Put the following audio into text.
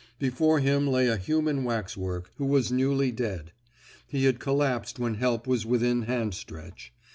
Before him lay a human wax work, who was newly dead; he had collapsed when help was within handstretch.